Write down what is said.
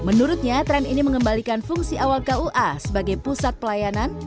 menurutnya tren ini mengembalikan fungsi awal kua sebagai pusat pelayanan